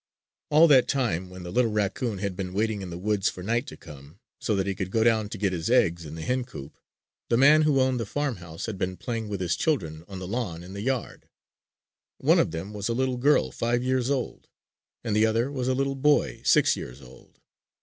All that time when the little raccoon had been waiting in the woods for night to come, so that he could go down to get his eggs in the hen coop, the man who owned the farmhouse had been playing with his children on the lawn in the yard. One of them was a little girl five years old; and the other was a little boy six years old.